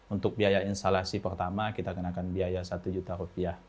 untuk biaya instalasi pertama kita kenakan biaya satu juta rupiah